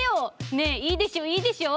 ねえいいでしょう？いいでしょう？」。